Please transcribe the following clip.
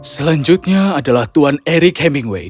selanjutnya adalah tuan eric camingway